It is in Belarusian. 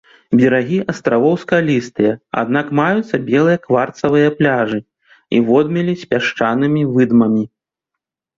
Берагі астравоў скалістыя, аднак маюцца белыя кварцавыя пляжы і водмелі з пясчанымі выдмамі.